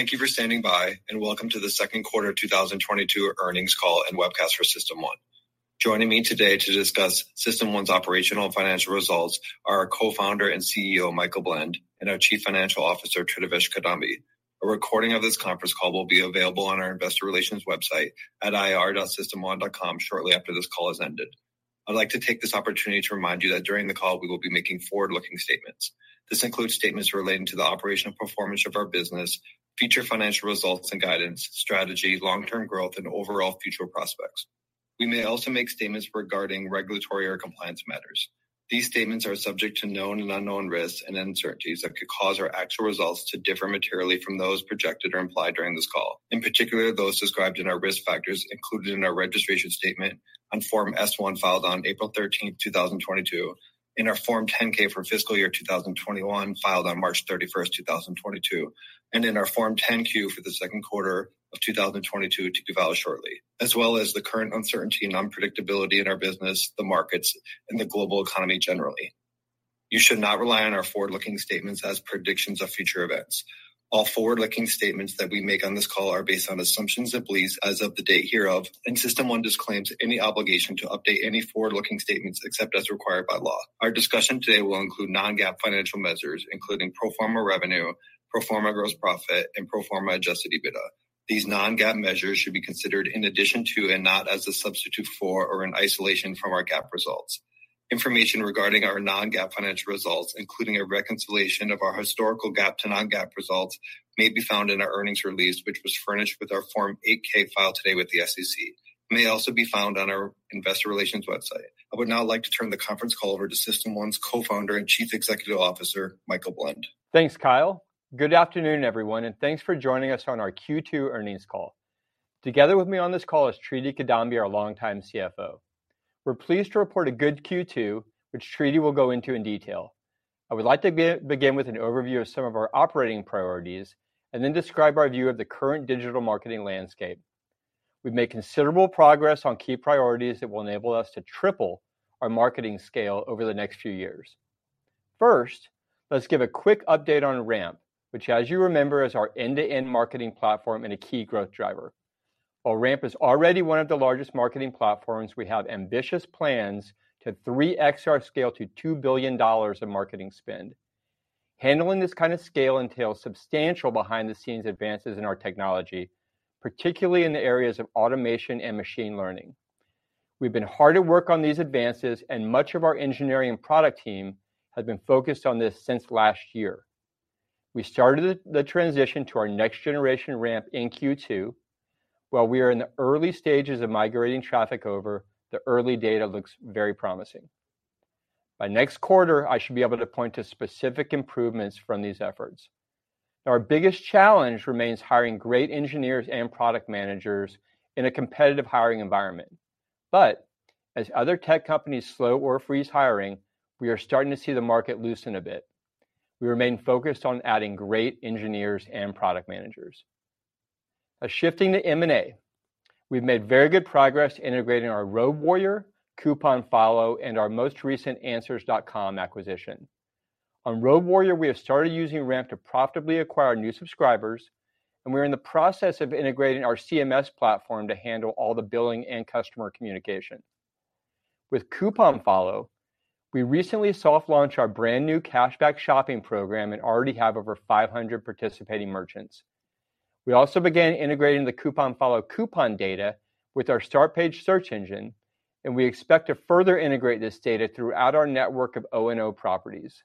Thank you for standing by, and welcome to the second quarter 2022 earnings call and webcast for System1. Joining me today to discuss System1's operational and financial results are our Co-Founder and CEO, Michael Blend, and our Chief Financial Officer, Tridivesh Kidambi. A recording of this conference call will be available on our investor relations website at ir.system1.com shortly after this call has ended. I'd like to take this opportunity to remind you that during the call we will be making forward-looking statements. This includes statements relating to the operational performance of our business, future financial results and guidance, strategy, long-term growth, and overall future prospects. We may also make statements regarding regulatory or compliance matters. These statements are subject to known and unknown risks and uncertainties that could cause our actual results to differ materially from those projected or implied during this call. In particular, those described in our risk factors included in our registration statement on Form S-1 filed on April 13, 2022, in our Form 10-K for fiscal year 2021 filed on March 31, 2022, and in our Form 10-Q for the second quarter of 2022 to be filed shortly, as well as the current uncertainty and unpredictability in our business, the markets, and the global economy generally. You should not rely on our forward-looking statements as predictions of future events. All forward-looking statements that we make on this call are based on assumptions and beliefs as of the date hereof, and System1 disclaims any obligation to update any forward-looking statements except as required by law. Our discussion today will include non-GAAP financial measures, including pro forma revenue, pro forma gross profit, and pro forma Adjusted EBITDA. These non-GAAP measures should be considered in addition to and not as a substitute for or an isolation from our GAAP results. Information regarding our non-GAAP financial results, including a reconciliation of our historical GAAP to non-GAAP results, may be found in our earnings release, which was furnished with our Form 8-K filed today with the SEC. It may also be found on our investor relations website. I would now like to turn the conference call over to System1's Co-Founder and Chief Executive Officer, Michael Blend. Thanks, Kyle. Good afternoon, everyone, and thanks for joining us on our Q2 earnings call. Together with me on this call is Tridivesh Kidambi, our longtime CFO. We're pleased to report a good Q2, which Tridivesh will go into in detail. I would like to begin with an overview of some of our operating priorities and then describe our view of the current digital marketing landscape. We've made considerable progress on key priorities that will enable us to triple our marketing scale over the next few years. First, let's give a quick update on RAMP, which as you remember, is our end-to-end marketing platform and a key growth driver. While RAMP is already one of the largest marketing platforms, we have ambitious plans to 3x our scale to $2 billion of marketing spend. Handling this kind of scale entails substantial behind-the-scenes advances in our technology, particularly in the areas of automation and machine learning. We've been hard at work on these advances, and much of our engineering and product team has been focused on this since last year. We started the transition to our next generation RAMP in Q2. While we are in the early stages of migrating traffic over, the early data looks very promising. By next quarter, I should be able to point to specific improvements from these efforts. Our biggest challenge remains hiring great engineers and product managers in a competitive hiring environment. As other tech companies slow or freeze hiring, we are starting to see the market loosen a bit. We remain focused on adding great engineers and product managers. Now shifting to M&A. We've made very good progress integrating our RoadWarrior, CouponFollow, and our most recent Answers.com acquisition. On RoadWarrior, we have started using RAMP to profitably acquire new subscribers, and we're in the process of integrating our CMS platform to handle all the billing and customer communication. With CouponFollow, we recently soft launched our brand-new cashback shopping program and already have over 500 participating merchants. We also began integrating the CouponFollow coupon data with our start page search engine, and we expect to further integrate this data throughout our network of O&O properties.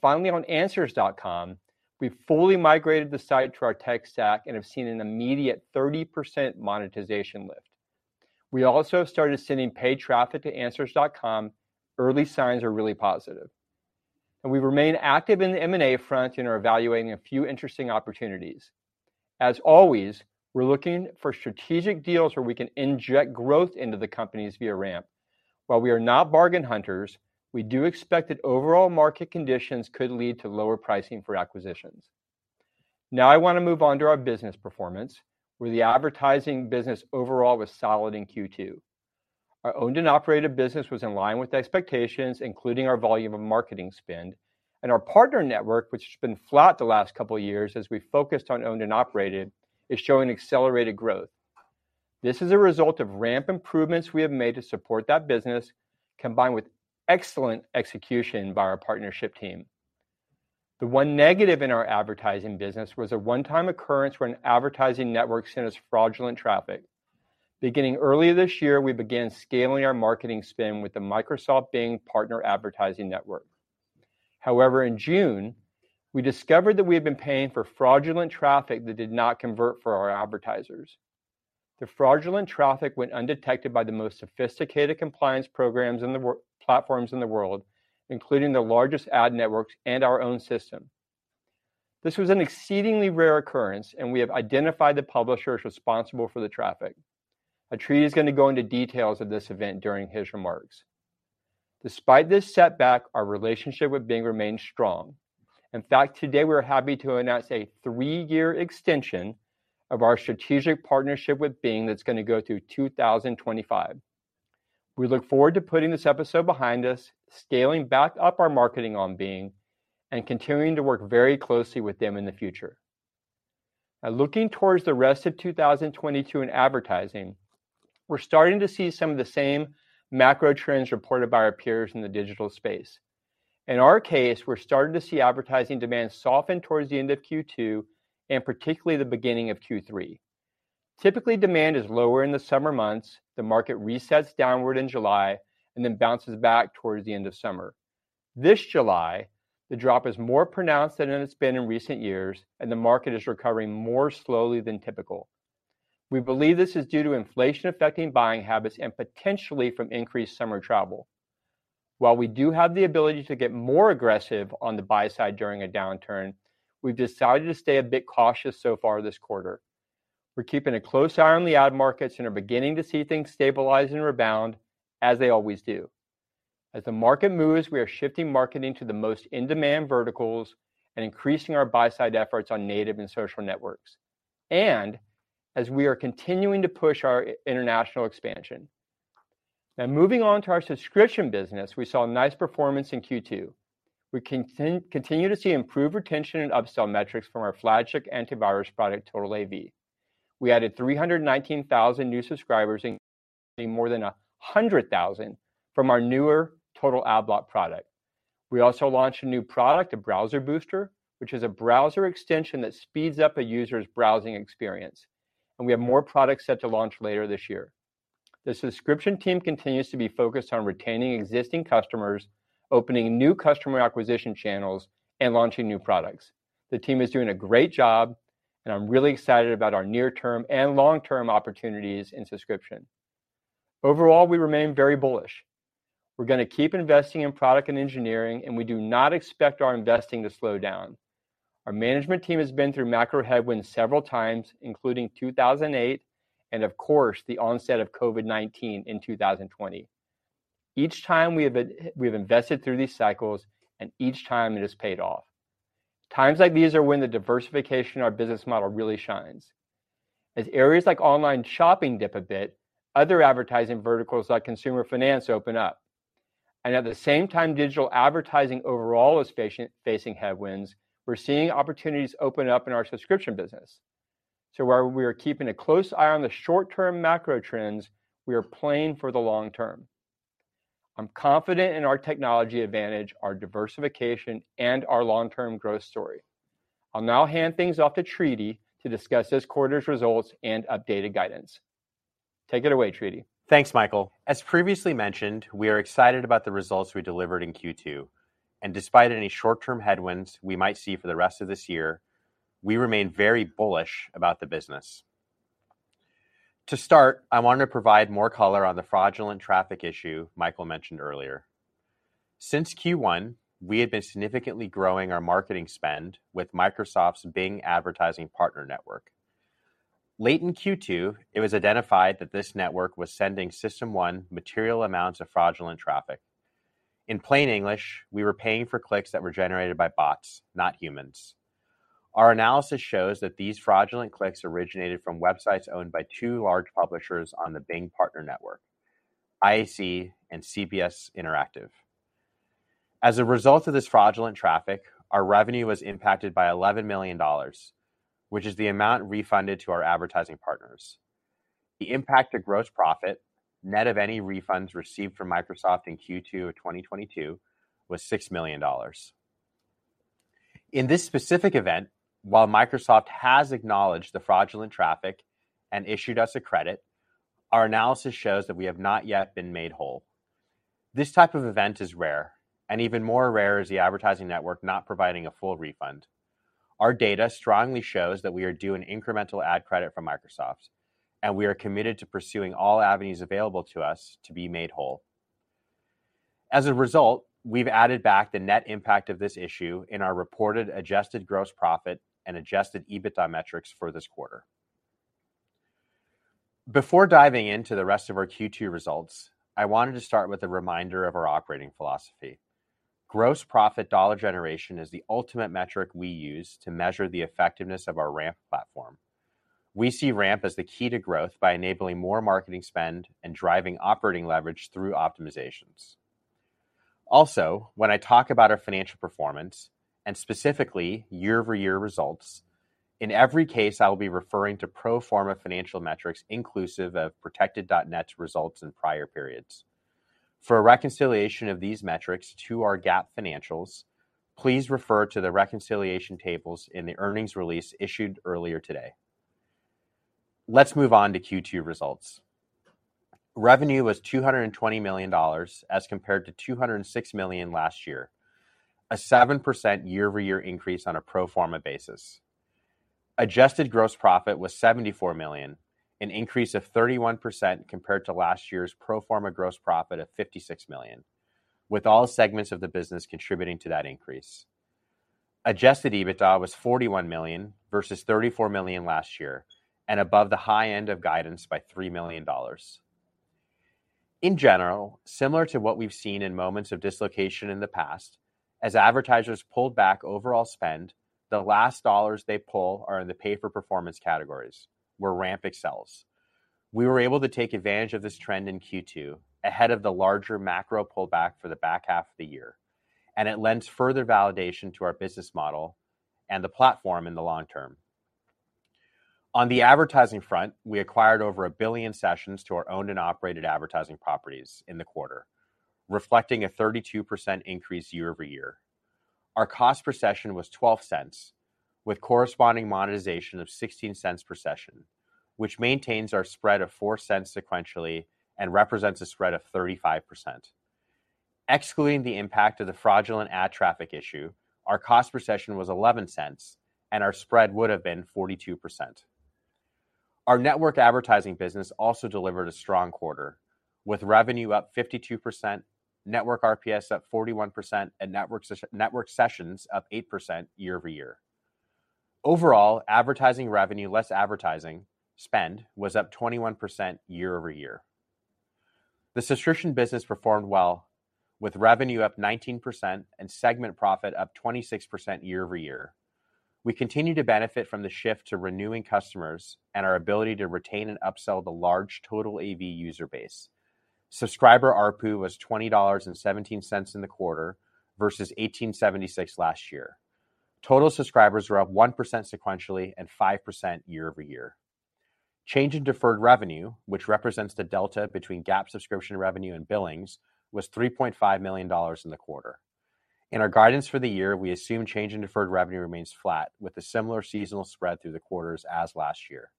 Finally, on Answers.com, we've fully migrated the site to our tech stack and have seen an immediate 30% monetization lift. We also have started sending paid traffic to Answers.com. Early signs are really positive. We remain active in the M&A front and are evaluating a few interesting opportunities. As always, we're looking for strategic deals where we can inject growth into the companies via RAMP. While we are not bargain hunters, we do expect that overall market conditions could lead to lower pricing for acquisitions. Now I wanna move on to our business performance, where the advertising business overall was solid in Q2. Our owned and operated business was in line with expectations, including our volume of marketing spend. Our partner network, which has been flat the last couple years as we focused on owned and operated, is showing accelerated growth. This is a result of RAMP improvements we have made to support that business, combined with excellent execution by our partnership team. The one negative in our advertising business was a one-time occurrence where an advertising network sent us fraudulent traffic. Beginning earlier this year, we began scaling our marketing spend with the Microsoft Bing Partner Advertising Network. However, in June, we discovered that we had been paying for fraudulent traffic that did not convert for our advertisers. The fraudulent traffic went undetected by the most sophisticated compliance programs in the platforms in the world, including the largest ad networks and our own system. This was an exceedingly rare occurrence, and we have identified the publishers responsible for the traffic. Tridivesh is gonna go into details of this event during his remarks. Despite this setback, our relationship with Bing remains strong. In fact, today we're happy to announce a three-year extension of our strategic partnership with Bing that's gonna go through 2025. We look forward to putting this episode behind us, scaling back up our marketing on Bing, and continuing to work very closely with them in the future. Now, looking toward the rest of 2022 in advertising, we're starting to see some of the same macro trends reported by our peers in the digital space. In our case, we're starting to see advertising demand soften toward the end of Q2, and particularly the beginning of Q3. Typically, demand is lower in the summer months, the market resets downward in July, and then bounces back toward the end of summer. This July, the drop is more pronounced than it's been in recent years, and the market is recovering more slowly than typical. We believe this is due to inflation affecting buying habits and potentially from increased summer travel. While we do have the ability to get more aggressive on the buy side during a downturn, we've decided to stay a bit cautious so far this quarter. We're keeping a close eye on the ad markets and are beginning to see things stabilize and rebound as they always do. As the market moves, we are shifting marketing to the most in-demand verticals and increasing our buy-side efforts on native and social networks. As we are continuing to push our international expansion. Now moving on to our subscription business, we saw a nice performance in Q2. We continue to see improved retention and upsell metrics from our flagship antivirus product, TotalAV. We added 319,000 new subscribers, including more than 100,000 from our newer Total Adblock product. We also launched a new product, a browser booster, which is a browser extension that speeds up a user's browsing experience, and we have more products set to launch later this year. The subscription team continues to be focused on retaining existing customers, opening new customer acquisition channels, and launching new products. The team is doing a great job, and I'm really excited about our near-term and long-term opportunities in subscription. Overall, we remain very bullish. We're gonna keep investing in product and engineering, and we do not expect our investing to slow down. Our management team has been through macro headwinds several times, including 2008, and of course, the onset of COVID-19 in 2020. Each time we have invested through these cycles, and each time it has paid off. Times like these are when the diversification of our business model really shines. As areas like online shopping dip a bit, other advertising verticals like consumer finance open up. At the same time digital advertising overall is facing headwinds, we're seeing opportunities open up in our subscription business. While we are keeping a close eye on the short-term macro trends, we are playing for the long term. I'm confident in our technology advantage, our diversification, and our long-term growth story. I'll now hand things off to Tridivesh Kidambi to discuss this quarter's results and updated guidance. Take it away, Tridivesh Kidambi. Thanks, Michael. As previously mentioned, we are excited about the results we delivered in Q2, and despite any short-term headwinds we might see for the rest of this year, we remain very bullish about the business. To start, I want to provide more color on the fraudulent traffic issue Michael mentioned earlier. Since Q1, we have been significantly growing our marketing spend with Microsoft's Bing Advertising Partner Network. Late in Q2, it was identified that this network was sending System1 material amounts of fraudulent traffic. In plain English, we were paying for clicks that were generated by bots, not humans. Our analysis shows that these fraudulent clicks originated from websites owned by two large publishers on the Bing Partner Network, IAC and CBS Interactive. As a result of this fraudulent traffic, our revenue was impacted by $11 million, which is the amount refunded to our advertising partners. The impact to gross profit, net of any refunds received from Microsoft in Q2 of 2022 was $6 million. In this specific event, while Microsoft has acknowledged the fraudulent traffic and issued us a credit, our analysis shows that we have not yet been made whole. This type of event is rare, and even more rare is the advertising network not providing a full refund. Our data strongly shows that we are due an incremental ad credit from Microsoft, and we are committed to pursuing all avenues available to us to be made whole. As a result, we've added back the net impact of this issue in our reported adjusted gross profit and Adjusted EBITDA metrics for this quarter. Before diving into the rest of our Q2 results, I wanted to start with a reminder of our operating philosophy. Gross profit dollar generation is the ultimate metric we use to measure the effectiveness of our RAMP platform. We see RAMP as the key to growth by enabling more marketing spend and driving operating leverage through optimizations. Also, when I talk about our financial performance, and specifically year-over-year results, in every case, I will be referring to pro forma financial metrics inclusive of Protected.net's results in prior periods. For a reconciliation of these metrics to our GAAP financials, please refer to the reconciliation tables in the earnings release issued earlier today. Let's move on to Q2 results. Revenue was $220 million as compared to $206 million last year, a 7% year-over-year increase on a pro forma basis. Adjusted gross profit was $74 million, an increase of 31% compared to last year's pro forma gross profit of $56 million, with all segments of the business contributing to that increase. Adjusted EBITDA was $41 million versus $34 million last year and above the high end of guidance by $3 million. In general, similar to what we've seen in moments of dislocation in the past. As advertisers pulled back overall spend, the last dollars they pull are in the pay-for-performance categories, where RAMP excels. We were able to take advantage of this trend in Q2 ahead of the larger macro pullback for the back half of the year, and it lends further validation to our business model and the platform in the long term. On the advertising front, we acquired over 1 billion sessions to our owned and operated advertising properties in the quarter, reflecting a 32% increase year-over-year. Our cost per session was $0.12, with corresponding monetization of $0.16 per session, which maintains our spread of $0.04 sequentially and represents a spread of 35%. Excluding the impact of the fraudulent ad traffic issue, our cost per session was $0.11, and our spread would have been 42%. Our network advertising business also delivered a strong quarter, with revenue up 52%, network RPS up 41%, and network sessions up 8% year-over-year. Overall, advertising revenue, less advertising spend, was up 21% year-over-year. The subscription business performed well, with revenue up 19% and segment profit up 26% year-over-year. We continue to benefit from the shift to renewing customers and our ability to retain and upsell the large TotalAV user base. Subscriber ARPU was $20.17 in the quarter versus $18.76 last year. Total subscribers were up 1% sequentially and 5% year-over-year. Change in deferred revenue, which represents the delta between GAAP subscription revenue and billings, was $3.5 million in the quarter. In our guidance for the year, we assume change in deferred revenue remains flat, with a similar seasonal spread through the quarters as last year.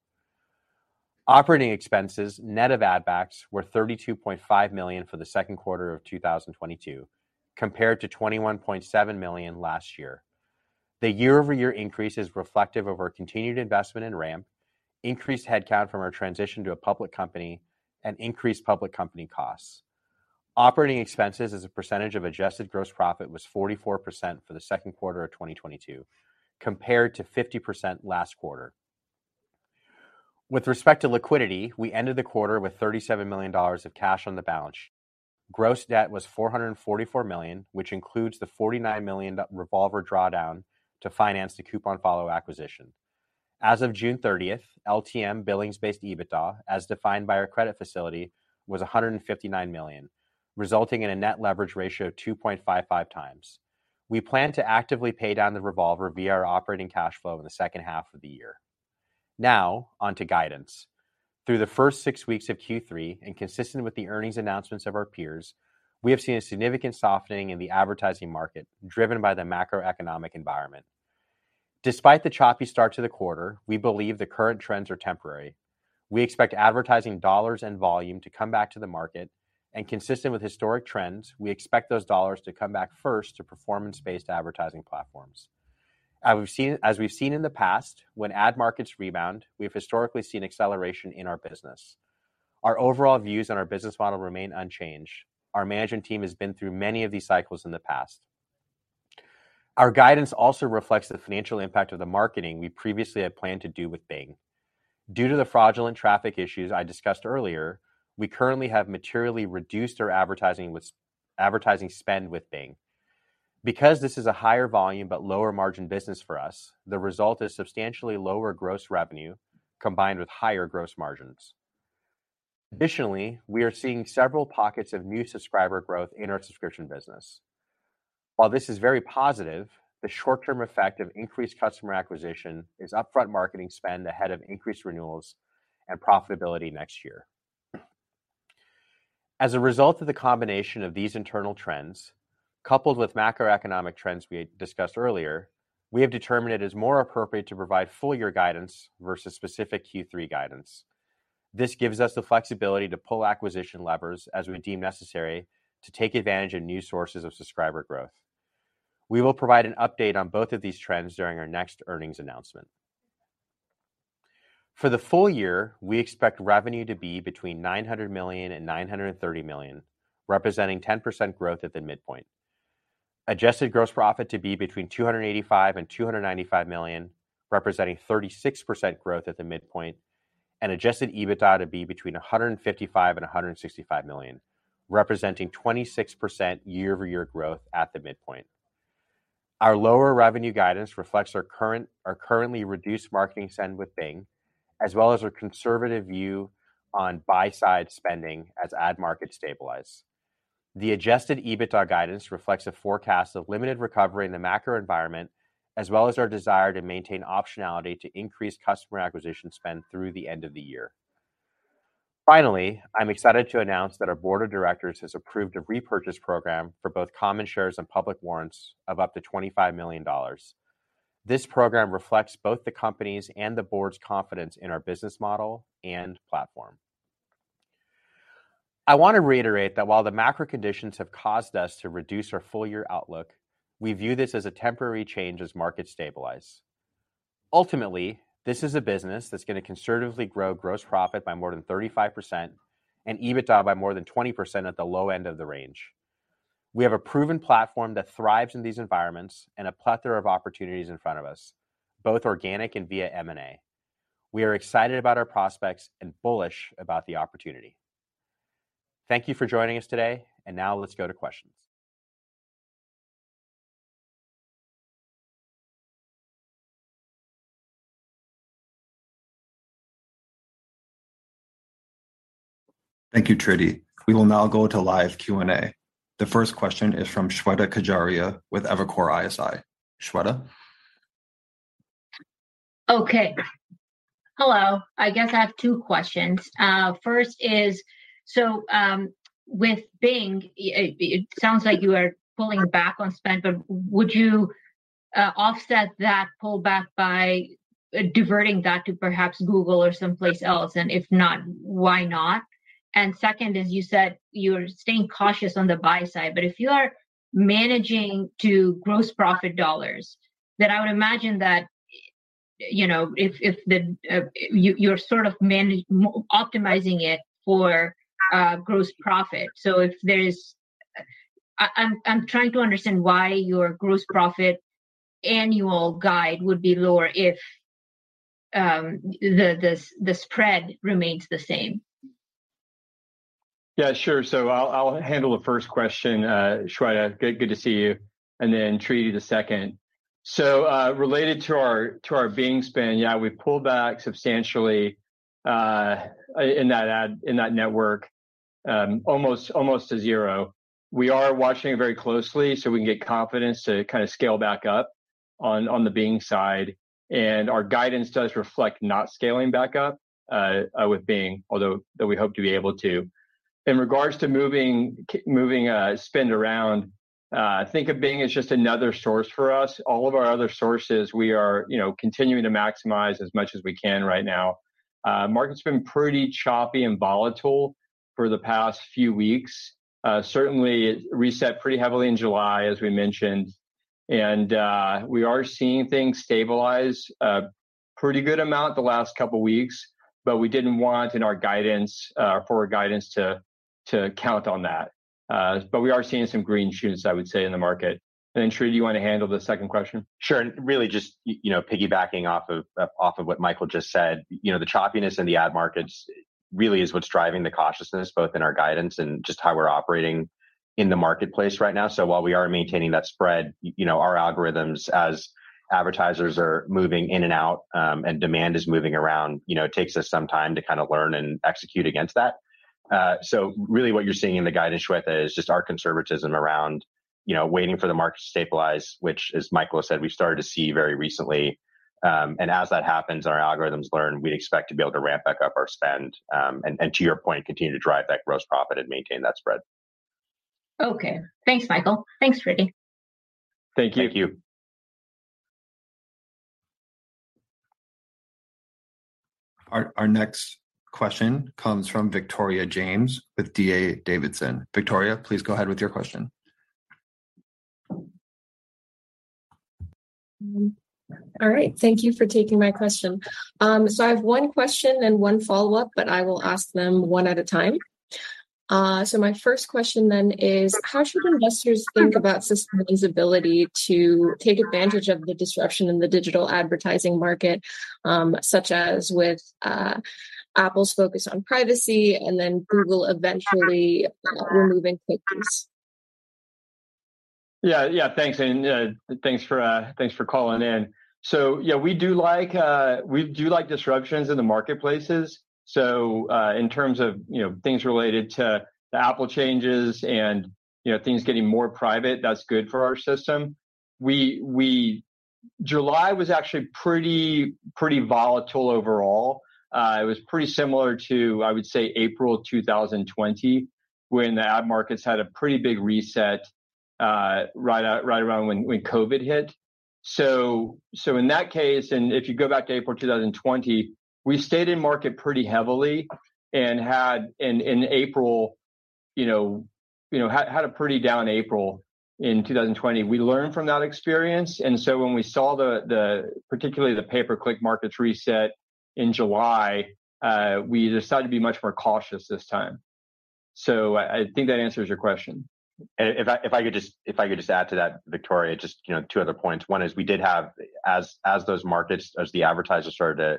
Operating expenses, net of ad backs, were $32.5 million for the second quarter of 2022, compared to $21.7 million last year. The year-over-year increase is reflective of our continued investment in RAMP, increased headcount from our transition to a public company, and increased public company costs. Operating expenses as a percentage of adjusted gross profit was 44% for the second quarter of 2022, compared to 50% last quarter. With respect to liquidity, we ended the quarter with $37 million of cash on the balance sheet. Gross debt was $444 million, which includes the $49 million revolver drawdown to finance the CouponFollow acquisition. As of June 30, LTM billings-based EBITDA, as defined by our credit facility, was $159 million, resulting in a net leverage ratio of 2.55x. We plan to actively pay down the revolver via our operating cash flow in the second half of the year. Now on to guidance. Through the first six weeks of Q3, and consistent with the earnings announcements of our peers, we have seen a significant softening in the advertising market, driven by the macroeconomic environment. Despite the choppy start to the quarter, we believe the current trends are temporary. We expect advertising dollars and volume to come back to the market. Consistent with historic trends, we expect those dollars to come back first to performance-based advertising platforms. As we've seen in the past, when ad markets rebound, we have historically seen acceleration in our business. Our overall views on our business model remain unchanged. Our management team has been through many of these cycles in the past. Our guidance also reflects the financial impact of the marketing we previously had planned to do with Bing. Due to the fraudulent traffic issues I discussed earlier, we currently have materially reduced our advertising spend with Bing. Because this is a higher volume but lower margin business for us, the result is substantially lower gross revenue combined with higher gross margins. Additionally, we are seeing several pockets of new subscriber growth in our subscription business. While this is very positive, the short-term effect of increased customer acquisition is upfront marketing spend ahead of increased renewals and profitability next year. As a result of the combination of these internal trends, coupled with macroeconomic trends we discussed earlier, we have determined it is more appropriate to provide full year guidance versus specific Q3 guidance. This gives us the flexibility to pull acquisition levers as we deem necessary to take advantage of new sources of subscriber growth. We will provide an update on both of these trends during our next earnings announcement. For the full year, we expect revenue to be between $900 million and $930 million, representing 10% growth at the midpoint. Adjusted gross profit to be between $285 million and $295 million, representing 36% growth at the midpoint. Adjusted EBITDA to be between $155 million and $165 million, representing 26% year-over-year growth at the midpoint. Our lower revenue guidance reflects our currently reduced marketing spend with Bing, as well as our conservative view on buy-side spending as ad markets stabilize. The Adjusted EBITDA guidance reflects a forecast of limited recovery in the macro environment, as well as our desire to maintain optionality to increase customer acquisition spend through the end of the year. Finally, I'm excited to announce that our board of directors has approved a repurchase program for both common shares and public warrants of up to $25 million. This program reflects both the company's and the board's confidence in our business model and platform. I want to reiterate that while the macro conditions have caused us to reduce our full year outlook, we view this as a temporary change as markets stabilize. Ultimately, this is a business that's gonna conservatively grow gross profit by more than 35% and EBITDA by more than 20% at the low end of the range. We have a proven platform that thrives in these environments and a plethora of opportunities in front of us, both organic and via M&A. We are excited about our prospects and bullish about the opportunity. Thank you for joining us today and now let's go to questions. Thank you, Tridivesh Kidambi. We will now go to live Q&A. The first question is from Shweta Khajuria with Evercore ISI. Shweta? Okay. Hello. I guess I have two questions. First is, with Bing, it sounds like you are pulling back on spend, but would you offset that pull back by diverting that to perhaps Google or someplace else? And if not, why not? Second is, you said you're staying cautious on the buy side, but if you are managing to gross profit dollars, then I would imagine that, you know, if you're sort of optimizing it for gross profit. If there is, I'm trying to understand why your gross profit annual guide would be lower if the spread remains the same. Yeah, sure. I'll handle the first question, Shweta Khajuria. Good to see you. Then Tridivesh Kidambi, the second. Related to our Bing spend, we pulled back substantially in that ad network almost to zero. We are watching it very closely so we can get confidence to kind of scale back up on the Bing side. Our guidance does reflect not scaling back up with Bing, although we hope to be able to. In regard to moving spend around, think of Bing as just another source for us. All of our other sources, we are you know continuing to maximize as much as we can right now. Market's been pretty choppy and volatile for the past few weeks. Certainly, it reset pretty heavily in July, as we mentioned. We are seeing things stabilize a pretty good amount the last couple weeks, but we didn't want in our guidance, our forward guidance to count on that. We are seeing some green shoots, I would say, in the market. Tridivesh, you wanna handle the second question? Sure. Really just, you know, piggybacking off of what Michael just said, you know, the choppiness in the ad markets really is what's driving the cautiousness, both in our guidance and just how we're operating in the marketplace right now. While we are maintaining that spread, you know, our algorithms as advertisers are moving in and out, and demand is moving around, you know, it takes us some time to kind of learn and execute against that. Really what you're seeing in the guidance, Shweta, is just our conservatism around, you know, waiting for the market to stabilize, which as Michael has said, we've started to see very recently. As that happens and our algorithms learn, we'd expect to be able to RAMP back up our spend, and to your point, continue to drive that gross profit and maintain that spread. Okay. Thanks, Michael. Thanks, Tridivesh. Thank you. Thank you. Our next question comes from Victoria James with D.A. Davidson. Victoria, please go ahead with your question. All right. Thank you for taking my question. I have one question and one follow-up, but I will ask them one at a time. My first question is: How should investors think about System1's ability to take advantage of the disruption in the digital advertising market, such as with Apple's focus on privacy and then Google eventually removing cookies? Yeah. Thanks, and thanks for calling in. Yeah, we do like disruptions in the marketplaces. In terms of, you know, things related to the Apple changes and, you know, things getting more private, that's good for our system. July was actually pretty volatile overall. It was pretty similar to, I would say, April 2020, when the ad markets had a pretty big reset, right around when COVID hit. In that case, and if you go back to April 2020, we stayed in market pretty heavily and had, in April, you know, had a pretty down April in 2020. We learned from that experience, and so when we saw particularly the pay-per-click markets reset in July, we decided to be much more cautious this time. I think that answers your question. If I could just add to that, Victoria James, just, you know, two other points. One is we did have, as those markets, as the advertisers started to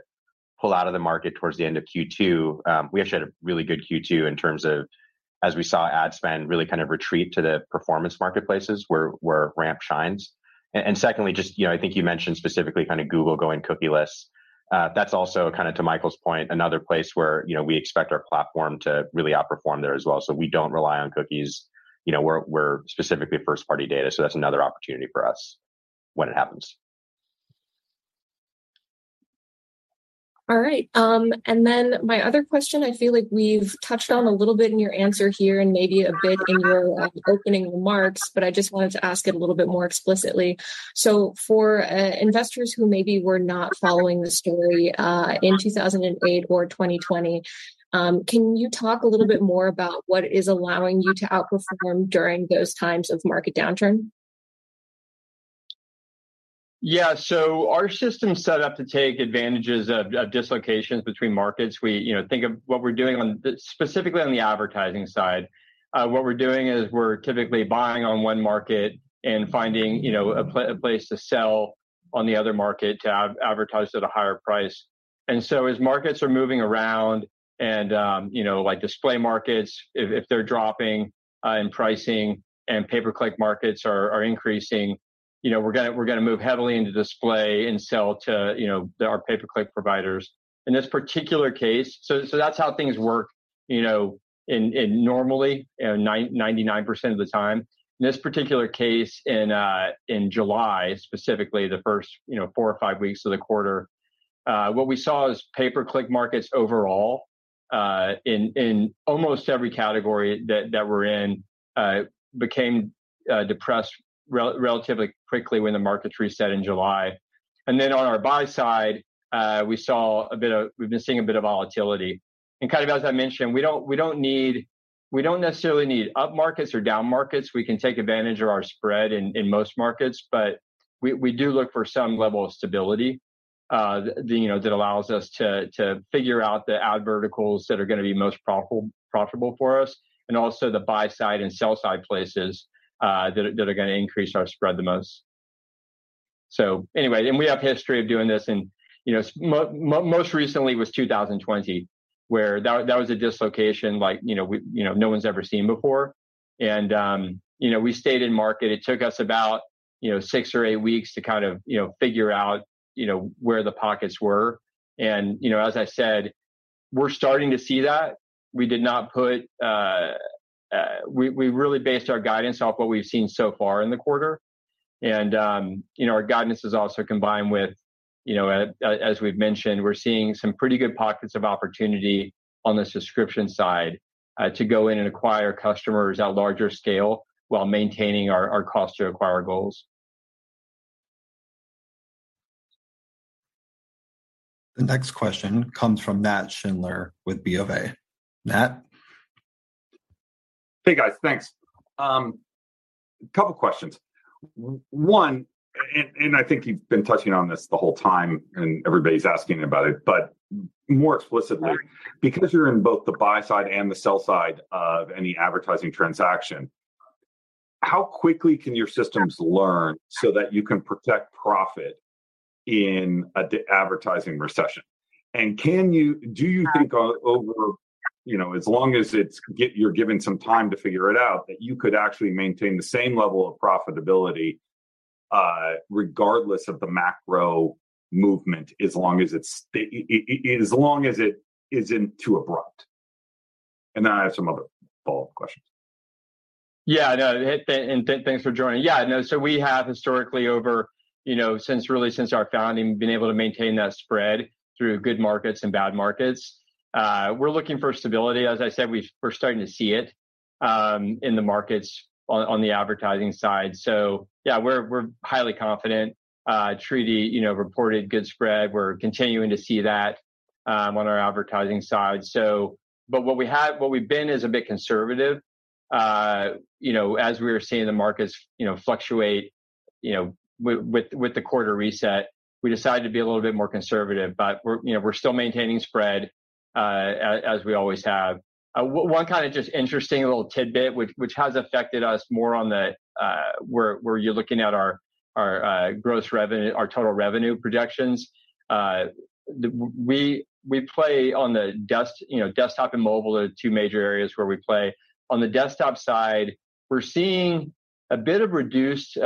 pull out of the market towards the end of Q2, we actually had a really good Q2 in terms of as we saw ad spend really kind of retreat to the performance marketplaces where RAMP shines. Secondly, just, you know, I think you mentioned specifically kind of Google going cookie-less. That's also, kind of to Michael's point, another place where, you know, we expect our platform to really outperform there as well. So, we don't rely on cookies. You know, we're specifically first-party data, so that's another opportunity for us when it happens. All right. My other question, I feel like we've touched on a little bit in your answer here and maybe a bit in your opening remarks, but I just wanted to ask it a little bit more explicitly. For investors who maybe were not following the story in 2008 or 2020, can you talk a little bit more about what is allowing you to outperform during those times of market downturn? Yeah. Our system's set up to take advantages of dislocations between markets. We, you know, think of what we're doing specifically on the advertising side. What we're doing is we're typically buying on one market and finding, you know, a place to sell on the other market to advertise at a higher price. As markets are moving around and, you know, like display markets, if they're dropping in pricing and pay-per-click markets are increasing, you know, we're gonna move heavily into display and sell to, you know, our pay-per-click providers. In this particular case, that's how things work, you know, in normally 99% of the time. In this particular case, in July, specifically the first 4 or 5 weeks of the quarter, what we saw is pay-per-click markets overall, in almost every category that we're in, became depressed relatively quickly when the markets reset in July. On our buy side, we've been seeing a bit of volatility. Kind of as I mentioned, we don't necessarily need up markets or down markets. We can take advantage of our spread in most markets, but we do look for some level of stability, you know, that allows us to figure out the ad verticals that are gonna be most profitable for us, and also the buy side and sell side places that are gonna increase our spread the most. We have history of doing this in you know most recently was 2020, where that was a dislocation like you know we you know no one's ever seen before. We stayed in market. It took us about you know 6 or 8 weeks to kind of you know figure out you know where the pockets were. You know, as I said, we're starting to see that. We did not put. We really based our guidance off what we've seen so far in the quarter. You know, our guidance is also combined with, you know, as we've mentioned, we're seeing some pretty good pockets of opportunity on the subscription side, to go in and acquire customers at larger scale while maintaining our cost to acquire goals. The next question comes from Matthew Schindler with BofA. Matt? Hey, guys. Thanks. A couple questions. One, and I think you've been touching on this the whole time, and everybody's asking about it, but more explicitly, because you're in both the buy side and the sell side of any advertising transaction, how quickly can your systems learn so that you can protect profit during an advertising recession? And can you do you think over, you know, as long as you're given some time to figure it out, that you could actually maintain the same level of profitability, regardless of the macro movement, as long as it isn't too abrupt? And then I have some other follow-up questions. Thanks for joining. We have historically over, you know, since really, since our founding, been able to maintain that spread through good markets and bad markets. We're looking for stability. As I said, we're starting to see it in the markets on the advertising side. We're highly confident. Tridivesh Kidambi, you know, reported good spread. We're continuing to see that on our advertising side. What we have, what we've been is a bit conservative. You know, as we were seeing the markets, you know, fluctuate, you know, with the quarter reset, we decided to be a little bit more conservative. We're still maintaining spread as we always have. One kind of just interesting little tidbit which has affected us more on the where you're looking at our gross revenue, our total revenue projections. You know, desktop and mobile are the two major areas where we play. On the desktop side, we're seeing a bit of reduced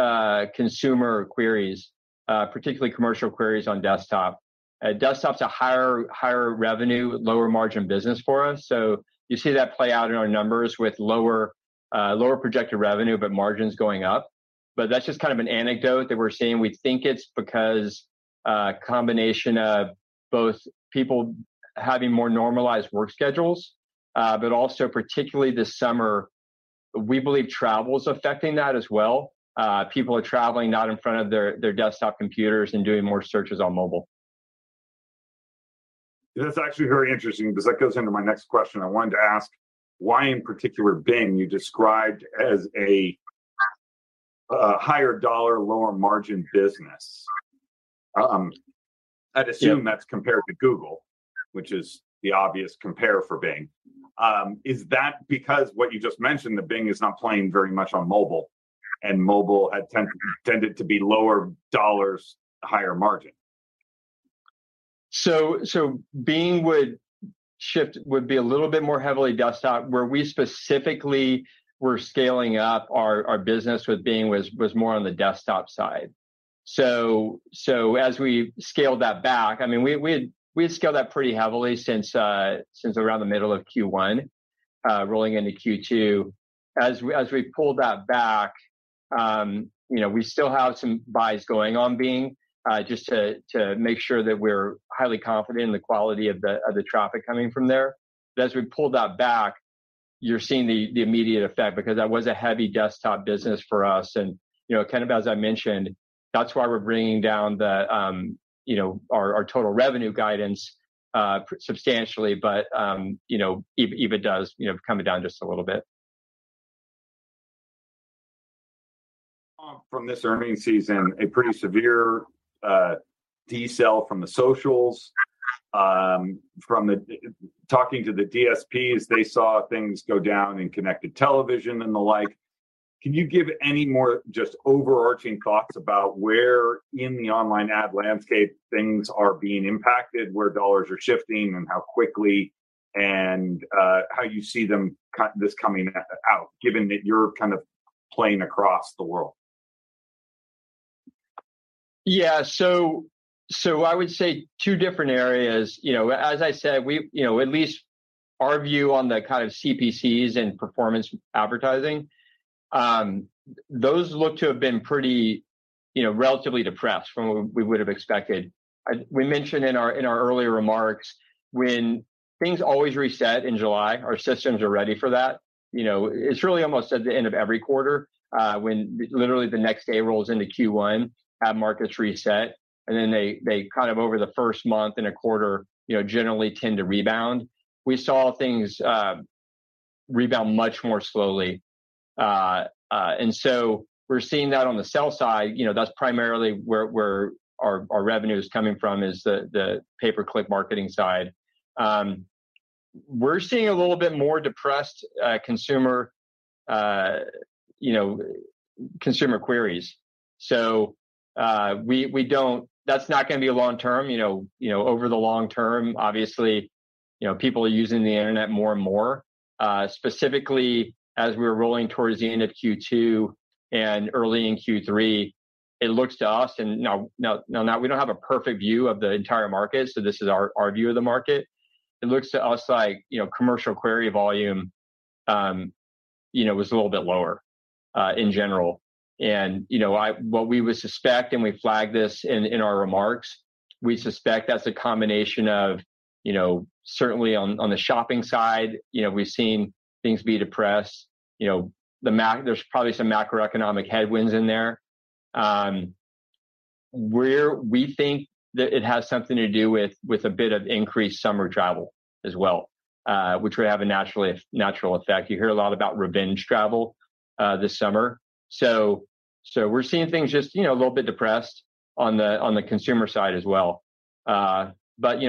consumer queries, particularly commercial queries on desktop. Desktop's a higher revenue, lower margin business for us, so you see that play out in our numbers with lower projected revenue, but margins going up. That's just kind of an anecdote that we're seeing. We think it's because a combination of both people having more normalized work schedules, but also particularly this summer, we believe travel's affecting that as well. People are traveling, not in front of their desktop computers and doing more searches on mobile. That's actually very interesting because that goes into my next question. I wanted to ask why in particular you described Bing as a higher dollar, lower margin business? Yeah I'd assume that's compared to Google, which is the obvious compare for Bing. Is that because what you just mentioned that Bing is not playing very much on mobile, and mobile had tended to be lower dollars, higher margin? Bing would be a little bit more heavily desktop. Where we specifically were scaling up our business with Bing was more on the desktop side. As we scaled that back, I mean we had scaled that pretty heavily since around the middle of Q1, rolling into Q2. As we pulled that back, you know, we still have some buys going on Bing, just to make sure that we're highly confident in the quality of the traffic coming from there. As we pulled that back, you're seeing the immediate effect because that was a heavy desktop business for us. You know, kind of as I mentioned, that's why we're bringing down the, you know, our total revenue guidance substantially, but, you know, EBITDA is, you know, coming down just a little bit. From this earnings season, a pretty severe decel from the socials. Talking to the DSPs, they saw things go down in connected television and the like. Can you give any more just overarching thoughts about where in the online ad landscape things are being impacted, where dollars are shifting, and how quickly, and how you see them coming out, given that your kind of playing across the world? Yeah. I would say two different areas. You know, as I said, we, you know, at least our view on the kind of CPCs and performance advertising, those look to have been pretty, you know, relatively depressed from what we would have expected. We mentioned in our earlier remarks when things always reset in July, our systems are ready for that. You know, it's really almost at the end of every quarter, when literally the next day rolls into Q1, ad markets reset, and then they kind of over the first month in a quarter, you know, generally tend to rebound. We saw things rebound much more slowly. We're seeing that on the sell side. You know, that's primarily where our revenue is coming from, is the pay-per-click marketing side. We're seeing a little bit more depressed consumer, you know, consumer queries. So, we don't. That's not gonna be long-term, you know. You know, over the long term, obviously, you know, people are using the internet more and more. Specifically, as we're rolling towards the end of Q2 and early in Q3, it looks to us, and now we don't have a perfect view of the entire market, so this is our view of the market. It looks to us like, you know, commercial query volume, you know, was a little bit lower, in general. You know, what we would suspect, and we flagged this in our remarks, we suspect that's a combination of, you know, certainly on the shopping side, you know, we've seen things be depressed. You know, there's probably some macroeconomic headwinds in there. Where we think that it has something to do with a bit of increased summer travel as well, which would have a natural effect. You hear a lot about revenge travel this summer. We're seeing things just, you know, a little bit depressed on the consumer side as well. You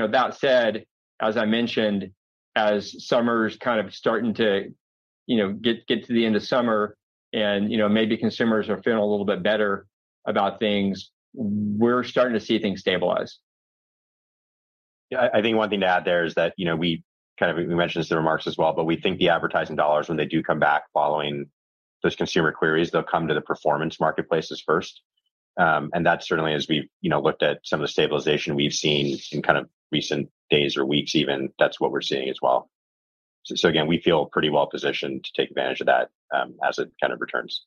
know, that said, as I mentioned, as summer's kind of starting to, you know, get to the end of summer and, you know, maybe consumers are feeling a little bit better about things, we're starting to see things stabilize. Yeah. I think one thing to add there is that, you know, we kind of, we mentioned this in the remarks as well, but we think the advertising dollars, when they do come back following those consumer queries, they'll come to the performance marketplaces first. That certainly as we've, you know, looked at some of the stabilization we've seen in kind of recent days or weeks even, that's what we're seeing as well. Again, we feel pretty well positioned to take advantage of that, as it kind of returns.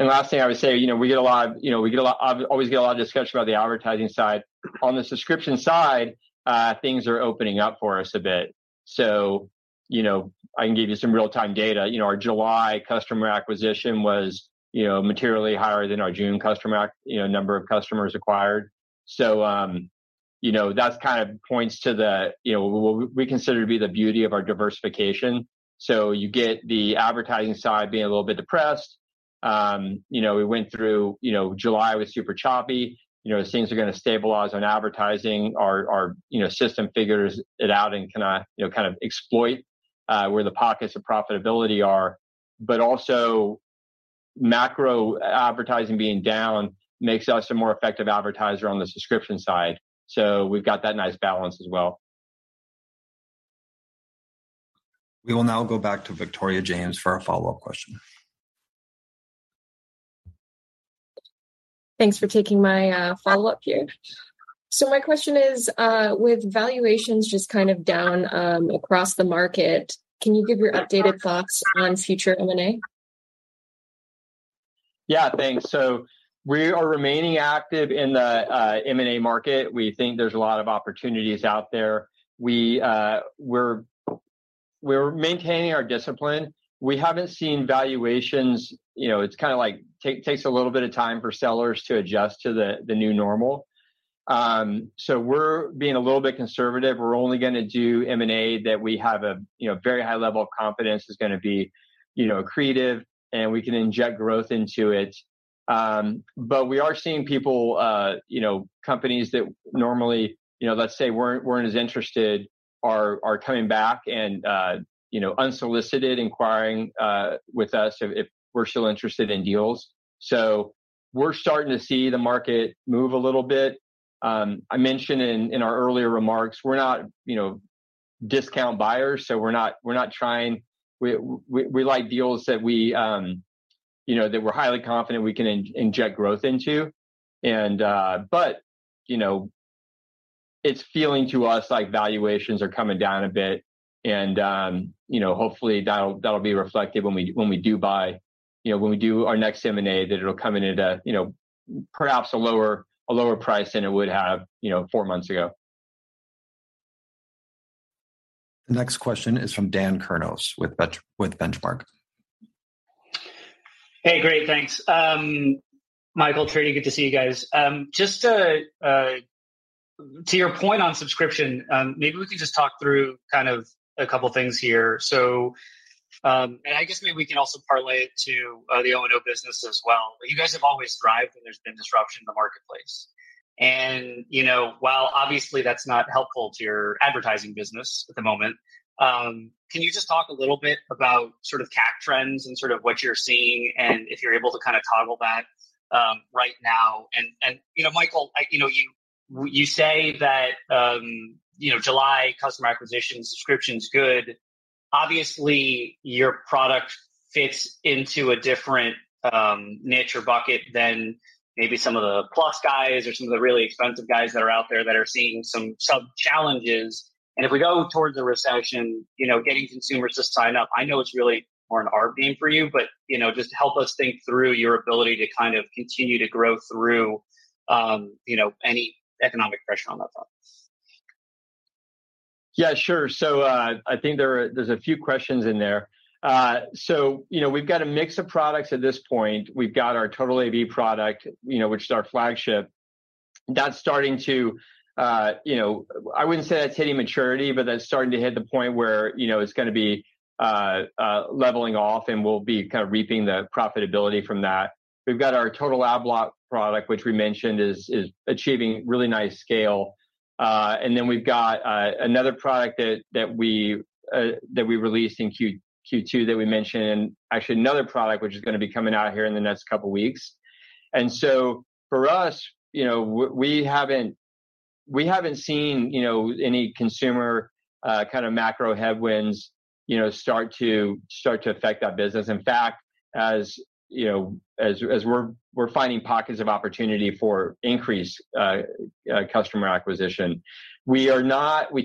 Last thing I would say, you know, we always get a lot of discussion about the advertising side. On the subscription side, things are opening up for us a bit. You know, I can give you some real-time data. You know, our July customer acquisition was, you know, materially higher than our June customer number of customers acquired. You know, that's kind of points to the, you know, we consider to be the beauty of our diversification. You get the advertising side being a little bit depressed. You know, we went through, you know, July was super choppy. You know, as things are gonna stabilize on advertising, our you know, system figures it out and can you know, kind of exploit where the pockets of profitability are. Also macro advertising being down makes us a more effective advertiser on the subscription side. We've got that nice balance as well. We will now go back to Victoria James for a follow-up question. Thanks for taking my follow-up here. So, my question is, with valuations just kind of down across the market, can you give your updated thoughts on future M&A? Yeah, thanks. We are remaining active in the M&A market. We think there's a lot of opportunities out there. We're maintaining our discipline. We haven't seen valuations. You know, it's kind of like takes a little bit of time for sellers to adjust to the new normal. We're being a little bit conservative. We're only gonna do M&A that we have you know very high level of confidence is gonna be you know accretive and we can inject growth into it. But we are seeing people you know companies that normally you know let's say weren't as interested are coming back and you know unsolicited inquiring with us if we're still interested in deals. We're starting to see the market move a little bit. I mentioned in our earlier remarks, we're not, you know, discount buyers, so we're not trying. We like deals that we, you know, that we're highly confident we can inject growth into. But, you know, it's feeling to us like valuations are coming down a bit and, you know, hopefully that'll be reflected when we do buy, you know, when we do our next M&A, that it'll come in at a, you know, perhaps a lower price than it would have, you know, four months ago. The next question is from Dan Kurnos with Benchmark. Hey, great. Thanks. Michael Blend, Tridivesh Kidambi, good to see you guys. Just to your point on subscription, maybe we can just talk through kind of a couple things here. I guess maybe we can also parlay it to the O&O business as well. You guys have always thrived when there's been disruption in the marketplace. You know, while obviously that's not helpful to your advertising business at the moment. Can you just talk a little bit about sort of CAC trends and sort of what you're seeing, and if you're able to kind of toggle that right now. You know, Michael Blend, you know, you say that, you know, July customer acquisition subscription's good. Obviously, your product fits into a different niche or bucket than maybe some of the Plus guys or some of the really expensive guys that are out there that are seeing some sub challenges. If we go towards a recession, you know, getting consumers to sign up, I know it's really more an art game for you. You know, just help us think through your ability to kind of continue to grow through you know, any economic pressure on that front. Yeah, sure. I think there's a few questions in there. You know, we've got a mix of products at this point. We've got our TotalAV product, you know, which is our flagship. That's starting to, you know, I wouldn't say that's hitting maturity, but that's starting to hit the point where, you know, it's gonna be leveling off, and we'll be kind of reaping the profitability from that. We've got our Total Adblock product, which we mentioned is achieving really nice scale. And then we've got another product that we released in Q2 that we mentioned. Actually, another product which is gonna be coming out here in the next couple weeks. For us, you know, we haven't seen, you know, any consumer kind of macro headwinds, you know, start to affect our business. In fact, as you know, as we're finding pockets of opportunity for increased customer acquisition. We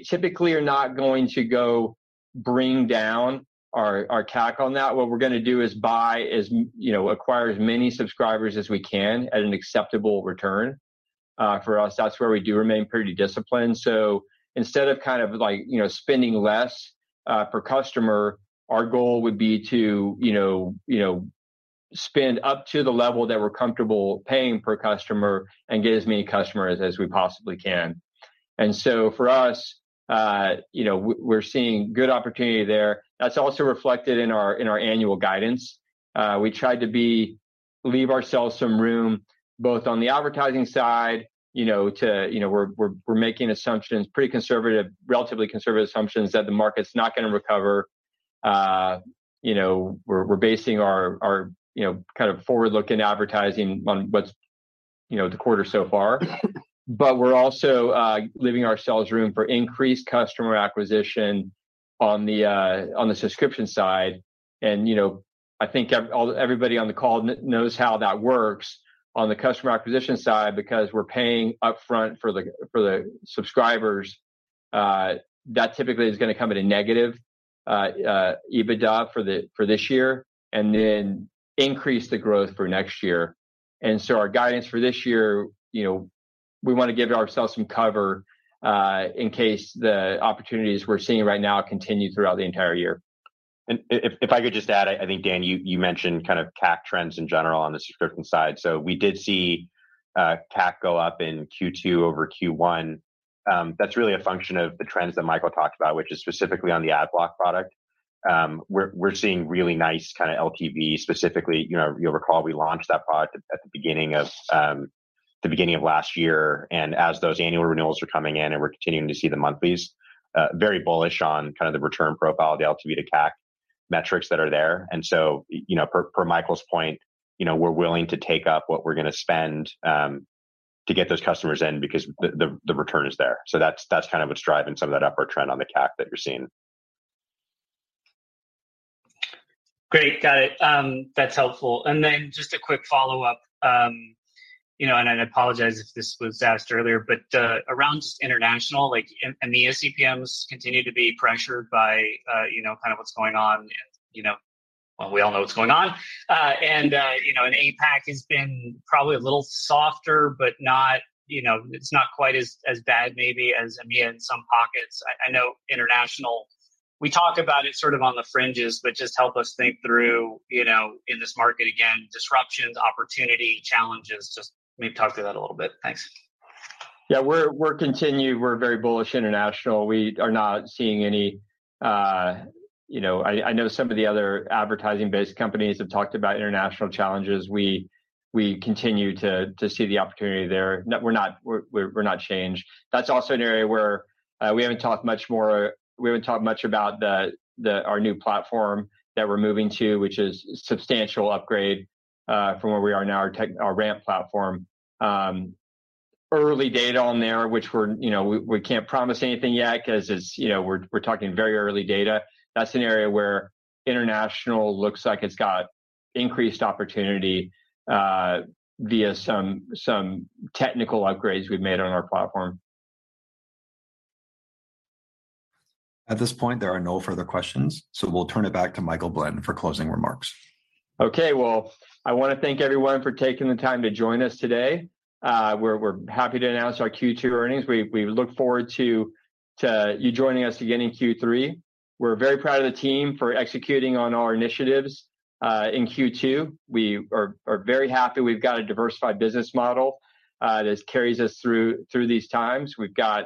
typically are not going to bring down our CAC on that. What we're gonna do is acquire as many subscribers as we can at an acceptable return. For us, that's where we remain pretty disciplined. Instead of kind of like, you know, spending less per customer, our goal would be to, you know, spend up to the level that we're comfortable paying per customer and get as many customers as we possibly can. For us, you know, we're seeing good opportunity there. That's also reflected in our annual guidance. Leave ourselves some room, both on the advertising side, you know, to, you know, we're making assumptions, pretty conservative, relatively conservative assumptions that the market's not gonna recover. You know, we're basing our, you know, kind of forward-looking advertising on what's, you know, the quarter so far. We're also leaving ourselves room for increased customer acquisition on the subscription side. You know, I think everybody on the call knows how that works on the customer acquisition side, because we're paying upfront for the subscribers, that typically is gonna come at a negative EBITDA for this year, and then increase the growth for next year. Our guidance for this year, you know, we wanna give ourselves some cover, in case the opportunities we're seeing right now continue throughout the entire year. If I could just add, I think, Dan, you mentioned kind of CAC trends in general on the subscription side. We did see CAC go up in Q2 over Q1. That's really a function of the trends that Michael talked about, which is specifically on the Total Adblock product. We're seeing really nice kinda LTV specifically. You know, you'll recall we launched that product at the beginning of last year, and as those annual renewals are coming in and we're continuing to see the monthlies, very bullish on kind of the return profile of the LTV to CAC metrics that are there. You know, per Michael's point, you know, we're willing to take up what we're gonna spend to get those customers in because the return is there. That's kind of what's driving some of that upward trend on the CAC that you're seeing. Great. Got it. That's helpful. Just a quick follow-up, you know, and I apologize if this was asked earlier, but around just international, like, and the ECPMs continue to be pressured by, you know, kind of what's going on, you know. Well, we all know what's going on. APAC has been probably a little softer, but not, you know, it's not quite as bad maybe as, I mean, in some pockets. I know international, we talk about it sort of on the fringes, but just help us think through, you know, in this market again, disruptions, opportunity, challenges, just maybe talk through that a little bit. Thanks. Yeah, we continue. We're very bullish international. We are not seeing any, you know. I know some of the other advertising-based companies have talked about international challenges. We continue to see the opportunity there. We're not changed. That's also an area where we haven't talked much about our new platform that we're moving to, which is substantial upgrade from where we are now, our RAMP platform. Early data on there, which we're, you know, we can't promise anything yet 'cause it's, you know, we're talking very early data. That's an area where international looks like it's got increased opportunity via some technical upgrades we've made on our platform. At this point, there are no further questions, so we'll turn it back to Michael Blend for closing remarks. Okay. Well, I wanna thank everyone for taking the time to join us today. We're happy to announce our Q2 earnings. We look forward to you joining us again in Q3. We're very proud of the team for executing on our initiatives in Q2. We are very happy we've got a diversified business model that carries us through these times. We've got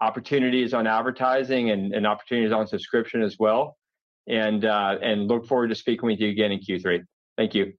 opportunities on advertising and opportunities on subscription as well. Look forward to speaking with you again in Q3. Thank you.